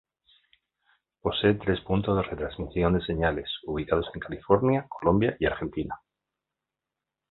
Posee tres puntos de retransmisión de señales, ubicados en California, Colombia y Argentina.